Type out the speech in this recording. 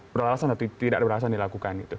berlelasan atau tidak berlelasan dilakukan